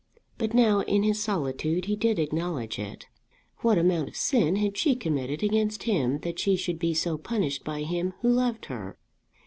But now in his solitude he did acknowledge it. What amount of sin had she committed against him that she should be so punished by him who loved her?